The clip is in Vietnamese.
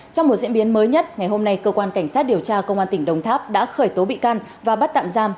trong một diễn biến mới nhất ngày hôm nay cơ quan cảnh sát điều tra công an tỉnh đồng tháp đã khởi tố bị can và bắt tạm giam